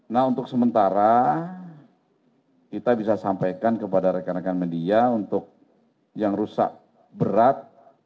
nah untuk sementara kita bisa sampaikan kepada rekan rekan media untuk yang rusak berat